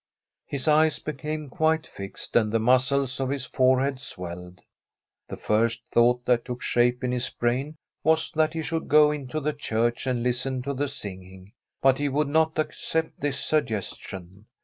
His eyes became quite fixed, and the muscles of his forehead swelled. The first thought that took shape in his brain was that he should go into the church and listen to the singing, but he would not accept this suggestion.